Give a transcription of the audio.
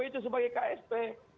itu sebagai ksp